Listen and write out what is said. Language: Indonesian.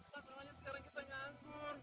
masalahnya sekarang kita nyanggur